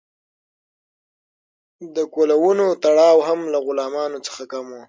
د کولونو تړاو هم له غلامانو څخه کم و.